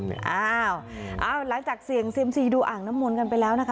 พอแล้วหลังจากเสียงเซ็มซียักษ์ดูอ่างน้ำมนต์กันไปแล้ว